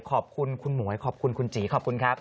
ขอบคุณคุณหมวยขอบคุณคุณจีขอบคุณครับ